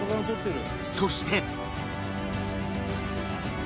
そして